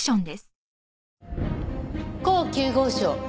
甲９号証。